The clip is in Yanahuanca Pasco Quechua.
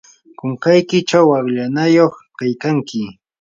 kunkaykichaw wallqanayuq kaykanki.